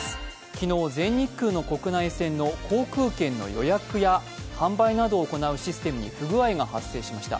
昨日全日空の国内線の航空券の予約や販売などを行うシステムに不具合が発生しました。